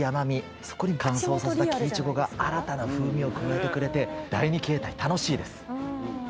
そこに乾燥させた木いちごが新たな風味を加えてくれて第２形態楽しいです！